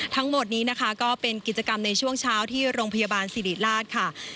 ทั้งหมดนี้นะคะก็เป็นกิจกรรมในช่วงเช้าที่โรงพยาบาลสิริราชค่ะ